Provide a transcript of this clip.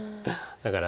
だから。